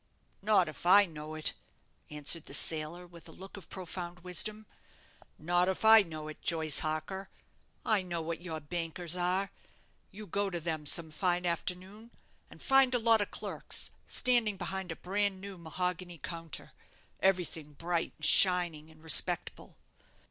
"Not if I know it," answered the sailor, with a look of profound wisdom; "not if I know it, Joyce Harker. I know what your bankers are. You go to them some fine afternoon, and find a lot of clerks standing behind a bran new mahogany counter, everything bright, and shining, and respectable.